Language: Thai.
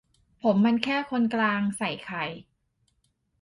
"ผมมันแค่คนกลาง" ใส่ไข่